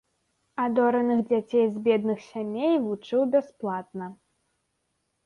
Адораных дзяцей з бедных сямей вучыў бясплатна.